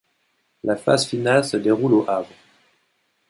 La phase finale se déroule au Havre.